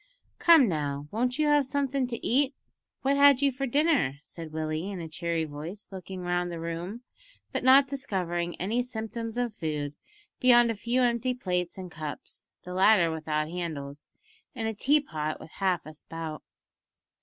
"Come now, won't you have somethin' to eat? What had you for dinner?" said Willie, in a cheery voice, looking round the room, but not discovering any symptoms of food beyond a few empty plates and cups (the latter without handles), and a tea pot with half a spout.